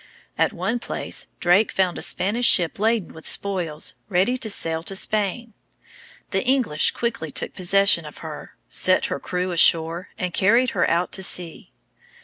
At one place Drake found a Spanish ship laden with spoils, ready to sail to Spain. The English quickly took possession of her, set her crew ashore, and carried her out to sea.